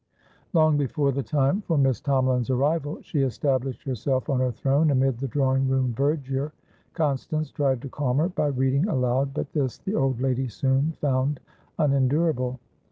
Long before the time for Miss Tomalin's arrival, she established herself on her throne amid the drawing room verdure. Constance tried to calm her by reading aloud, but this the old lady soon found unendurable.